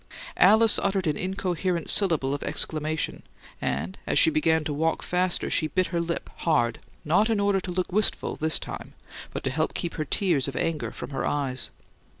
Alice uttered an incoherent syllable of exclamation, and, as she began to walk faster, she bit her lip hard, not in order to look wistful, this time, but to help her keep tears of anger from her eyes.